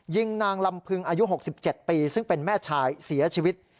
ยิงนางลำพึงอายุ๖๗ปีซึ่งเป็นแม่ชายเสียชีวิต